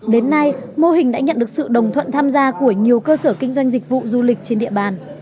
đến nay mô hình đã nhận được sự đồng thuận tham gia của nhiều cơ sở kinh doanh dịch vụ du lịch trên địa bàn